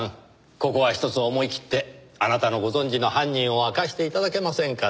ここはひとつ思いきってあなたのご存じの犯人を明かして頂けませんかねぇ？